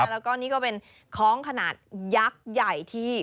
แล้วก็นี่ก็เป็นคล้องขนาดยักษ์ใหญ่ที่